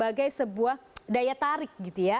sebagai sebuah daya tarik gitu ya